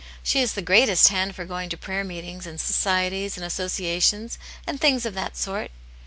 She is the greatest hand 'for going to prayer meetings, and societies and associations, and things of that sort."